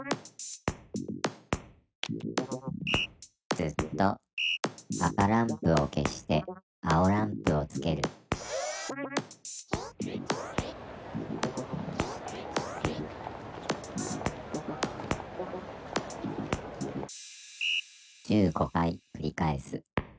「ずっと」「赤ランプを消して青ランプをつける」「１５回くり返す」。